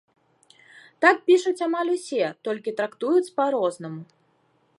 Так пішуць амаль усе, толькі трактуюць па-рознаму.